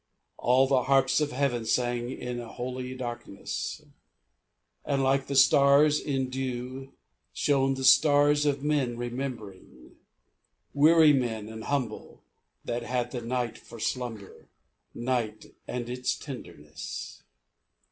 All the harps of Heaven sang in a holy darkness, And like the stars in dew shone the tears of men remembering, Weary men and humble, that had the night for slumber — Night and its tenderness.